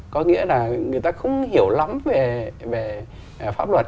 có nghĩa là người ta không hiểu lắm về pháp luật